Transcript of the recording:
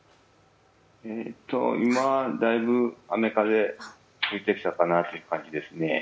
今、だいぶ雨風、吹いてきたかなという感じですね。